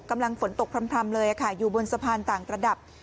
กำลังฝนตกพร่ำเลยค่ะอยู่บนสะพานต่างระดับ